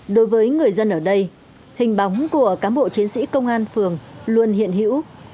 đối với người dân ở đây hình bóng của cán bộ chiến sĩ công an phường luôn hiện hữu